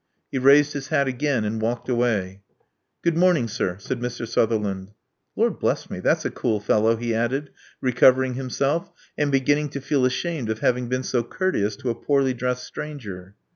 He raised his hat again, and walked away*^ —■'—" V Good morning, sir^'> said Mr. Sutherland. Lord bless me! that's a cool fellow," he added, recovering himself, and beginning to feel ashamed of having been so courteous to a poorly dressed stranger.